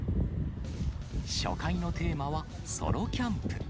初回のテーマは、ソロキャンプ。